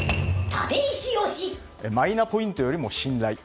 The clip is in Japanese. マイナポイントよりも信頼。